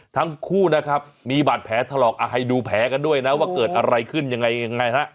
ทั้งคู่นะครับมีบาดแผลถลอกให้ดูแผลกันด้วยนะว่าเกิดอะไรขึ้นยังไงยังไงฮะ